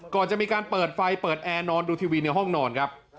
ก่อนจะมีการเปิดไฟเปิดแอร์นอนดูทีวีในห้องนอนครับ